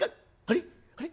あれ？